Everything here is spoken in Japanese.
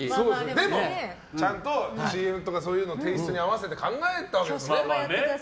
でもちゃんとＣＭとかテイストに合わせて考えたわけですよね。